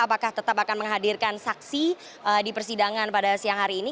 apakah tetap akan menghadirkan saksi di persidangan pada siang hari ini